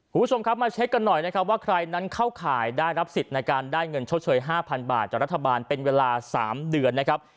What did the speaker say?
คุณผู้ชมครับมาเช็คกันหน่อยนะครับว่าใครนั้นเข้าข่ายได้รับสิทธิ์ในการได้เงินชดเชย๕๐๐๐บาทจากรัฐบาลเป็นเวลา๓เดือนนะครับ